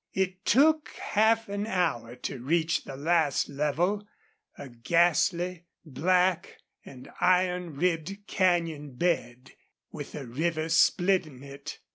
It took half an hour to reach the last level, a ghastly, black, and iron ribbed canyon bed, with the river splitting it.